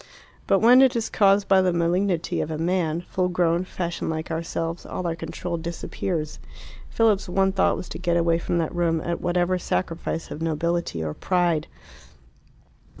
But when it is caused by the malignity of a man, full grown, fashioned like ourselves, all our control disappears. Philip's one thought was to get away from that room at whatever sacrifice of nobility or pride.